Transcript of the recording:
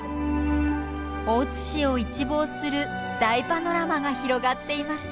大津市を一望する大パノラマが広がっていました。